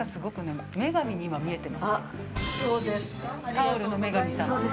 タオルの女神様。